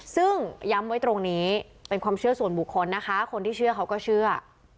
ซึ่งย้ำไว้ตรงนี้เป็นความเชื่อส่วนบุคคลนะคะคนที่เชื่อเขาก็เชื่อ